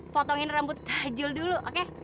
potongin rambut tajul dulu oke